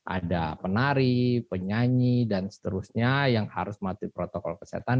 ada penari penyanyi dan seterusnya yang harus mematuhi protokol kesehatan